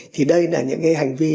thì đây là những cái hành vi